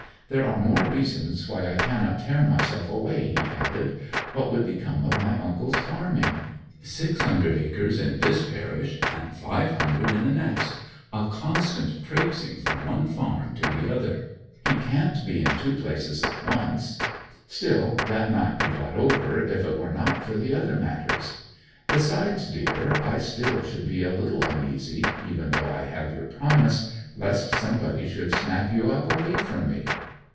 'There are more reasons why I cannot tear myself away,' he added. 'What would become of my uncle's farming? Six hundred acres in this parish, and five hundred in the next a constant traipsing from one farm to the other; he can't be in two places at once. Still, that might be got over if it were not for the other matters. Besides, dear, I still should be a little uneasy, even though I have your promise, lest somebody should snap you up away from me.'